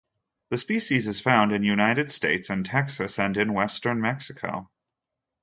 The species is found in United States in Texas and in western Mexico.